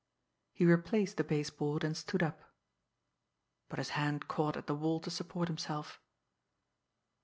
He replaced the base board, and stood up but his hand caught at the wall to support himself.